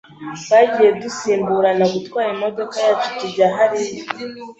Twagiye dusimburana gutwara imodoka yacu tujya hariya.